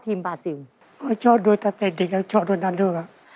ทีมบราซิลก็ชอบดูตั้งแต่เด็กแล้วชอบดูนั่นด้วยครับ